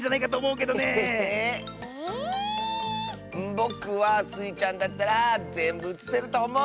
ぼくはスイちゃんだったらぜんぶうつせるとおもう！